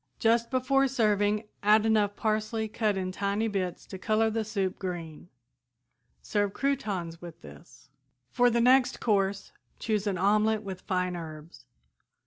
Just before serving add enough parsley cut in tiny bits to color the soup green. Serve croutons with this. "For the next course choose an omelette with fine herbs.